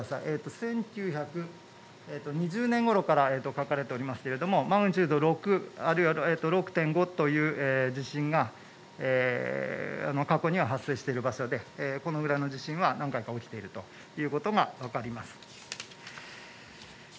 １９２０年ごろから書かれておりますけれどもマグニチュード６あるいは６．５という地震が過去には発生している場所でこのくらいの地震は何回か起きているということが分かります。